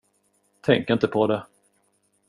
Tänk inte på det.